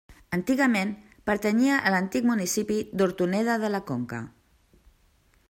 Antigament pertanyia a l'antic municipi d'Hortoneda de la Conca.